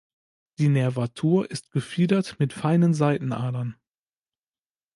Die Nervatur ist gefiedert mit feinen Seitenadern.